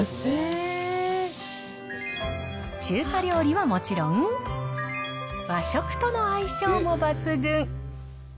へー！中華料理はもちろん、和食との相性も抜群。